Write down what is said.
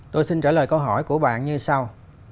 tôi xin trả lời câu hỏi của bạn như sau